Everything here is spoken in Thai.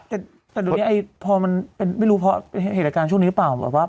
แต่ตอนนี้หลังจากเกี่ยวกับเดิมครั้งนี้หรือเปล่า